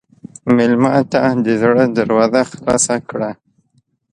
مېلمه ته د زړه دروازه خلاصه کړه.